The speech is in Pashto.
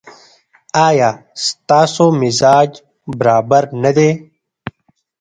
ایا ستاسو مزاج برابر نه دی؟